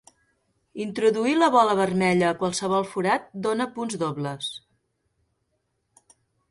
Introduir la bola vermella a qualsevol forat dona punts dobles.